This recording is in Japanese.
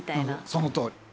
そのとおり。